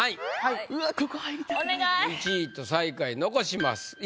１位と最下位残します。